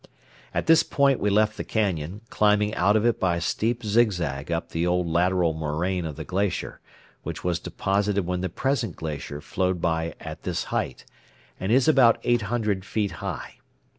At this point we left the cañon, climbing out of it by a steep zigzag up the old lateral moraine of the glacier, which was deposited when the present glacier flowed past at this height, and is about eight hundred feet high.